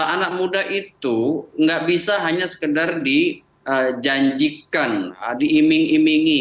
anak muda itu nggak bisa hanya sekedar dijanjikan diiming imingi